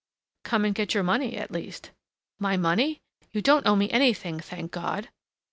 "Come and get your money, at least." "My money? You don't owe me anything, thank God!"